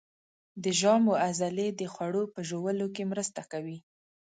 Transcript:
د ژامو عضلې د خوړو په ژوولو کې مرسته کوي.